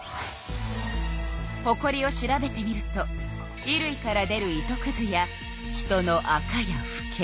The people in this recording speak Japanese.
ほこりを調べてみると衣類から出る糸くずや人のアカやフケ。